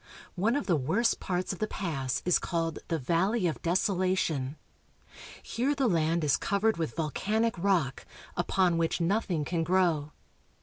One of the worst parts of the pass is called the Valley of Deso lation. Here the land is covered with volcanic rock, upon which nothing can grow.